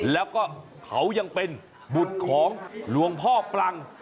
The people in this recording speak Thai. แล้วก็เขายังเป็นบุตรของหลวงพ่อปลัง